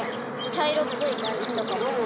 茶色っぽい感じとかも。